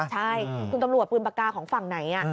ใช่คุณตำรวจปืนปากกาของฝั่งไหน